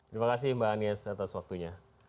terima kasih mbak anies atas waktunya